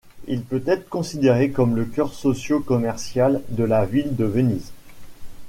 Il peut être considéré comme le cœur socio-commercial de la ville de Venise.